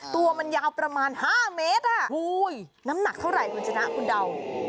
ตัวมันยาวประมาณ๕เมตรน้ำหนักเท่าไหร่คุณชนะคุณเดา